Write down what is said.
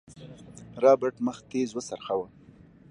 رابرټ مخ تېز وڅرخوه.